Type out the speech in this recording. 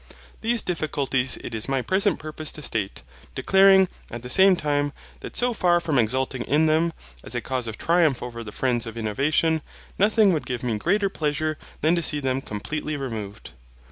These difficulties it is my present purpose to state, declaring, at the same time, that so far from exulting in them, as a cause of triumph over the friends of innovation, nothing would give me greater pleasure than to see them completely removed.